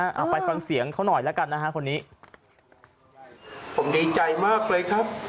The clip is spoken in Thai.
อ้าวไปฟังเสียงเขาหน่อยละกันนะฮะคนนี้